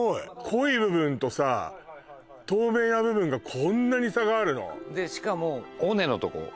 濃い部分とさ透明な部分がこんなに差があるのでしかも尾根のとこ